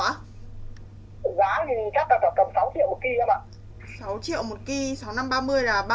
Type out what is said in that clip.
giá thì chắc là tầm sáu triệu một cây thôi ạ